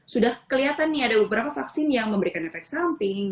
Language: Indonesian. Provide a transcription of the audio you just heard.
sudah kelihatan nih ada beberapa vaksin yang memberikan efek samping